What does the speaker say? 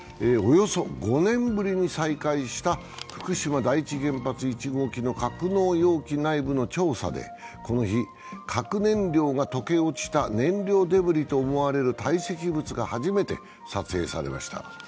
およそ５年ぶりに再開した福島第一原発１号機の格納容器内部の調査でこの日、核燃料が溶け落ちた燃料デブリと思われる堆積物が初めて撮影されました。